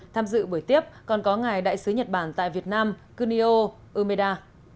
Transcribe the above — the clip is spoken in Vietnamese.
tham dự buổi tiếp còn có ngài đại sứ nhật bản tại việt nam kunio umeda